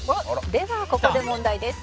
「ではここで問題です」